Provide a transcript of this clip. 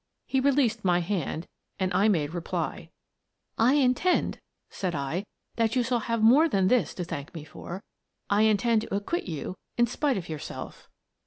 He released my hand, and I made reply: " I intend," said I, " that you shall have more than this to thank me for: I intend to acquit you in spite of yourself."